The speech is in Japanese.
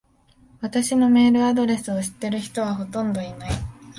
私のメールアドレスを知ってる人はほとんどいない。